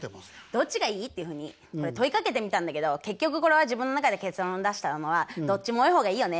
どっちがいい？っていうふうにこれ問いかけてみたんだけど結局これは自分の中で結論出したのはどっちも多い方がいいよねみたいな。